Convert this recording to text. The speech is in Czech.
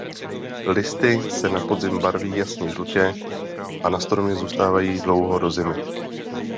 Listy se na podzim barví jasně žlutě a na stromě zůstávají dlouho do zimy.